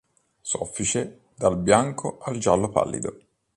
Soffice, dal bianco al giallo pallido.